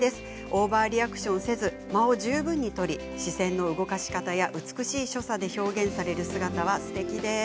オーバーリアクションせず間を十分取り視線の動かし方や美しい所作で表現されるのがすてきです。